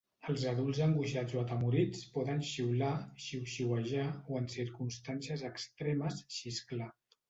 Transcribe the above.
Els adults angoixats o atemorits poden xiular, xiuxiuejar, o en circumstàncies extremes, xisclar.